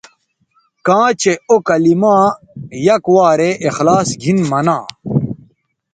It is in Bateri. کاں چہء او کلما یک وارے اخلاص گھن منا